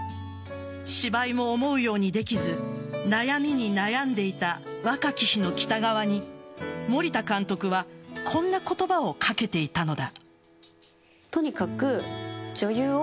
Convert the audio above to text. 芝居も思うようにできず悩みに悩んでいた若き日の北川に森田監督はこんな言葉をかけていたのだ。